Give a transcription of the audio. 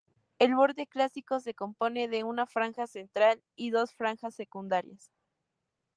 El borde, clásico, se compone de una franja central y dos franjas secundarias.